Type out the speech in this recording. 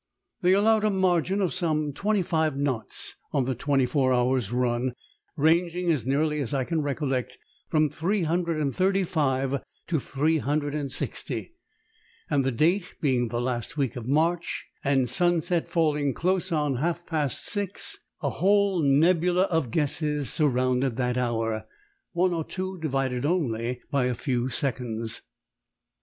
They allowed a margin of some twenty five knots on the twenty four hours' run ranging, as nearly as I can recollect, from three hundred and thirty five to three hundred and sixty; and the date being the last week of March, and sunset falling close on half past six, a whole nebula of guesses surrounded that hour, one or two divided only by a few seconds.